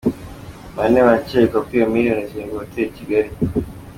Bane barakekwa kwiba miliyoni zirindwi hoteri ikigali